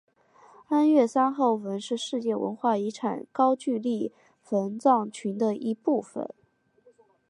安岳三号坟是世界文化遗产高句丽墓葬群的一部份。